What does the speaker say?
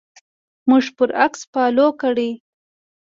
موږ پر اکس فالو کړئ